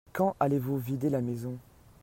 Quand allez-vous vider la maison ?